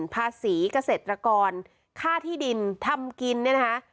ภาษีเกษตรกรค่าที่ดินทำกินเนี่ยนะคะ